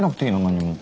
何も。